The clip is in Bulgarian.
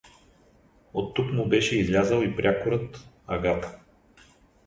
Оттук му беше излязъл и прякорът — Агата.